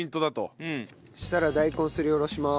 そしたら大根すり下ろします。